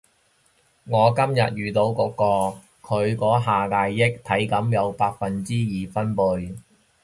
我今日遇到嗰個，佢嗰下大嗌體感有百二分貝